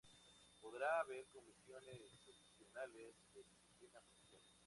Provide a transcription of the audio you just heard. Podrá haber Comisiones Seccionales de Disciplina Judicial.